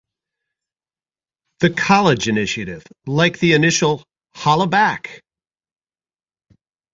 The "College Initiative," like the initial Hollaback!